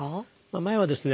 前はですね